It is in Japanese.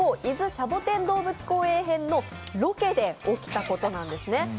シャボテン動物公園編のロケで起きたことなんですね。